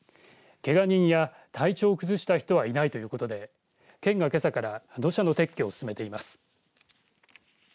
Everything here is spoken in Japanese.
けが人や体調を崩した人はいないということで県が、けさから土砂の撤去を進めています。